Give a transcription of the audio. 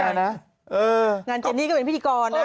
อย่างนั้นเจนี่ก็เป็นพิธีกรนะ